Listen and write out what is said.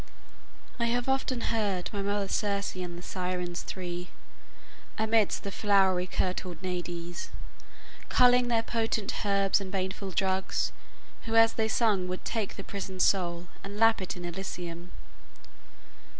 I have often heard My mother Circe and the Sirens three, Amidst the flowery kirtled Naiades, Culling their potent herbs and baneful drugs, Who as they sung would take the prisoned soul And lap it in Elysium.